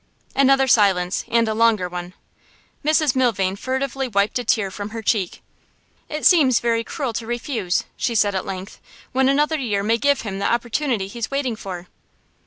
Another silence, and a longer one. Mrs Milvain furtively wiped a tear from her cheek. 'It seems very cruel to refuse,' she said at length, 'when another year may give him the opportunity he's waiting for.